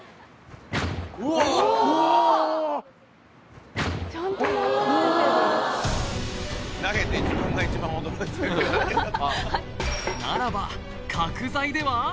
うおっならば角材では？